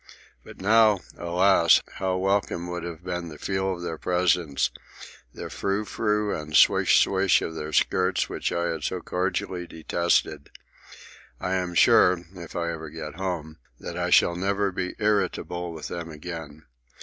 But now, alas, how welcome would have been the feel of their presence, the frou frou and swish swish of their skirts which I had so cordially detested! I am sure, if I ever get home, that I shall never be irritable with them again.